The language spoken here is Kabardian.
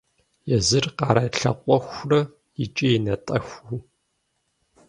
Езыр къарэ лъакъуэхурэ икӀи натӀэхуу.